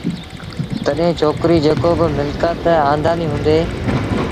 تڏهيݩ ڇوڪري جيڪو با ملڪت آݩدآݩدي هُݩدي